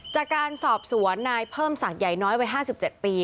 จากการสอบสวนนายเพิ่มศักดิ์ใหญ่น้อยไว้ห้าสิบเจ็บปี